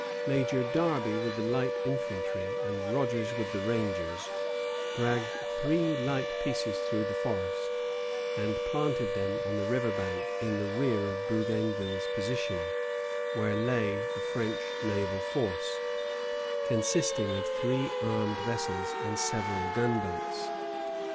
Major Darby with the light infantry, and Rogers with the rangers, dragged three light pieces through the forest, and planted them on the river bank in the rear of Bougainville's position, where lay the French naval force, consisting of three armed vessels and several gunboats.